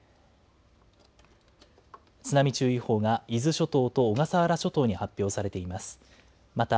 津波注意報が伊豆諸島と小笠原諸島に発表されています。